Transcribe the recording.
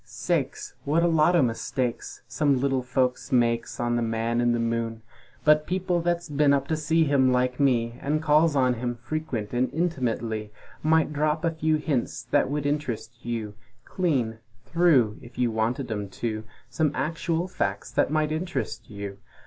Sakes! What a lot o' mistakes Some little folks makes on the Man in the Moon! But people that's been up to see him like Me, And calls on him frequent and intimutly, Might drop a few hints that would interest you Clean! Through! If you wanted 'em to Some actual facts that might interest you!